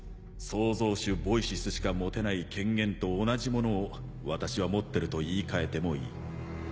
創造主Ｖｏｉｃｅｓしか持てない権限と同じものを私は持ってると言い換えてもいい。